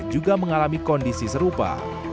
juga mengalami kondisi serupa